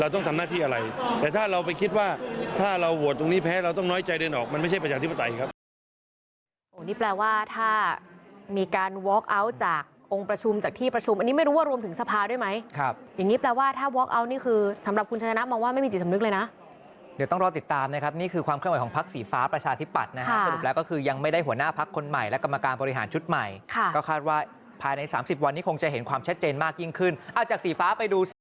แต่ถ้าเราไปคิดว่าถ้าเราโหวตตรงนี้แพ้เราต้องน้อยใจเดินออกมันไม่ใช่ประชาธิปไตยครับ